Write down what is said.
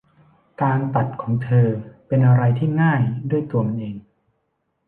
การตัดของเธอเป็นอะไรที่ง่ายด้วยตัวมันเอง